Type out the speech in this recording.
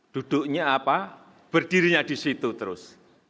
duduknya apa berdirinya di situ terus